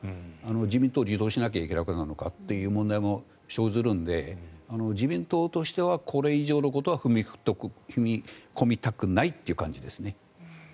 自民党を離党しなきゃいけなくなるのかという問題も生じるので自民党としてはこれ以上のことは踏み込みたくないという感じですね。